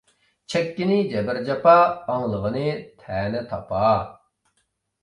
چەككىنى جەبىر-جاپا، ئاڭلىغىنى تەنە-تاپا.